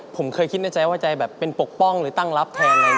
ผมเคยคิดในใจว่าจะแบบเป็นปกป้องหรือตั้งรับแทนอะไรอย่างนี้